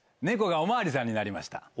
猫がおまわりさんになりました。